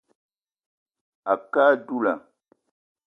A kə á dula